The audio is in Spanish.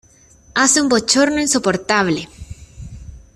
Hace un bochorno insoportable.